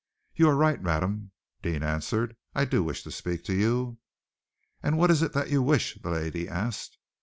"You are right, madam," Deane answered. "I do wish to speak to you." "And what is it that you wish?" the lady asked.